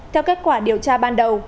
theo kết quả điều tra ban đầu